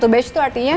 satu batch itu artinya